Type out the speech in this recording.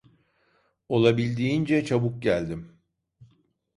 Olabildiğince çabuk geldim.